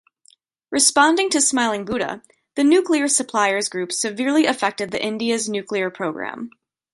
Responding to Smiling Buddha, the Nuclear Suppliers Group severely affected the India's nuclear program.